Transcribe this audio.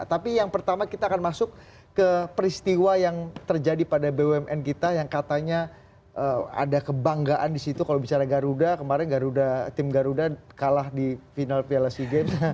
tapi yang pertama kita akan masuk ke peristiwa yang terjadi pada bumn kita yang katanya ada kebanggaan di situ kalau bicara garuda kemarin garuda tim garuda kalah di final piala sea games